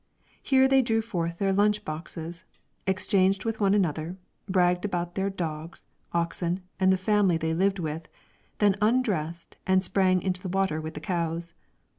Here they drew forth their lunch boxes, exchanged with one another, bragged about their dogs, oxen, and the family they lived with, then undressed, and sprang into the water with the cows.